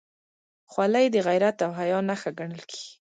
خولۍ د غیرت او حیا نښه ګڼل کېږي.